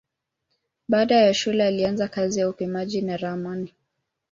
Baada ya shule alianza kazi ya upimaji na ramani.